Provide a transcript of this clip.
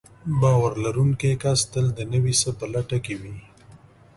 باور لرونکی کس تل د نوي څه په لټه کې وي.